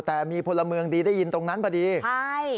แต่มีพลเมืองดีได้ยินตรงนั้นพอดีใช่